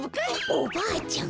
おおばあちゃん。